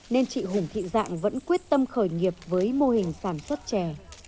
nên chị hùng thị dạng vẫn quyết tâm khởi nghiệp với mô hình sản xuất chè